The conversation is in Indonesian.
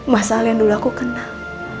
mas al yang dulu aku kenal